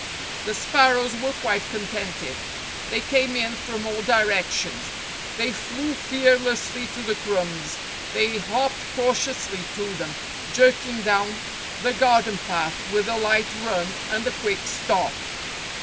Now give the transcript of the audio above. The sparrows were quite contented. They came in from all directions ; they flew fearlessly to the crumbs ; they hopped cautiously to them, jerking down the gar den path with a light run and a quick stop.